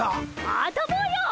あたぼうよ。